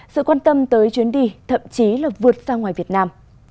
sự quan tâm tới chuyến đi thậm chí là vượt ra ngoài việt nam